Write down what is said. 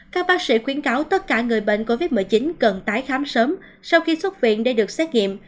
các bác sĩ khuyến cáo tất cả người bệnh covid một mươi chín cần tái khám sớm sau khi xuất viện để được xét nghiệm